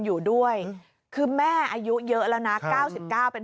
อยู่ด้วยคือแม่อายุเยอะแล้วนะเก้าสิบเก้าเป็น